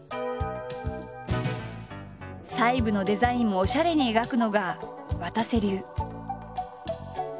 細部のデザインもおしゃれに描くのがわたせ流。